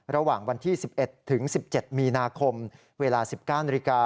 ระหว่างวันที่๑๑ถึง๑๗มีนาคมเวลา๑๙นาฬิกา